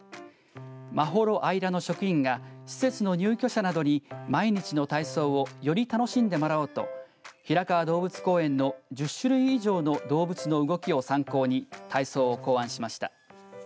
まほろあいらの職員が施設の入居者などに毎日の体操をより楽しんでもらおうと平川動物公園の１０種類以上の動物の動きを参考に体操を考案しました。